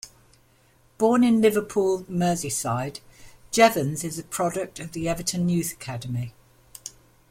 Born in Liverpool, Merseyside, Jevons is a product of the Everton youth academy.